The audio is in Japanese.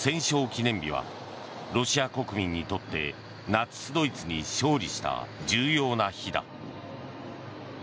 記念日はロシア国民にとってナチスドイツに勝利した重要な日だ。